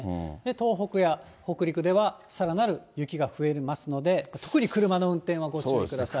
東北や北陸ではさらなる雪が増えますので、特に車の運転はご注意ください。